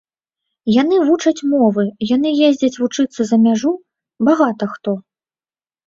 Яны вучаць мовы, яны ездзяць вучыцца за мяжу, багата хто.